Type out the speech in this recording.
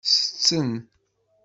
Setten.